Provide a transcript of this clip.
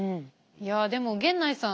いやでも源内さん